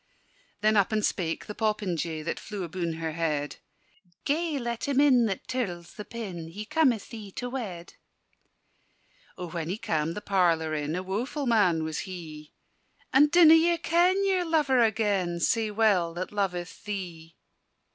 Then up and spake the popinjay That flew abune her head: "Gae let him in that tirls the pin: He cometh thee to wed." O when he cam' the parlour in, A woeful man was he! "And dinna ye ken your lover agen, Sae well that loveth thee?"